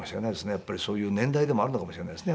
やっぱりそういう年代でもあるのかもしれないですね。